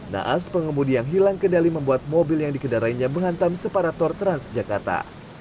naas pengemudi yang hilang kendali membuat mobil yang dikendarainya menghantam separator transjakarta